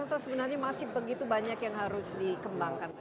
atau sebenarnya masih begitu banyak yang harus dikembangkan